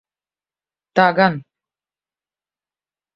Tā gan.